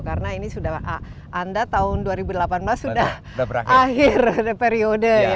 karena ini sudah anda tahun dua ribu delapan belas sudah akhir periode ya